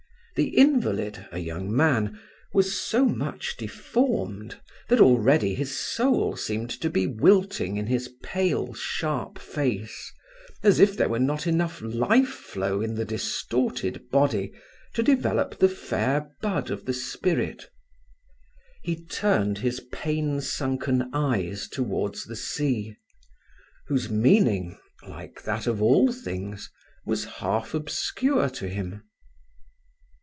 The invalid, a young man, was so much deformed that already his soul seemed to be wilting in his pale sharp face, as if there were not enough life flow in the distorted body to develop the fair bud of the spirit. He turned his pain sunken eyes towards the sea, whose meaning, like that of all things, was half obscure to him.